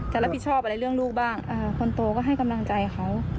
จะรับผิดชอบอะไรเรื่องลูกบ้างคนโตก็ให้กำลังใจเขา